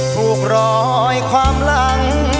ถูกรอยความหลัง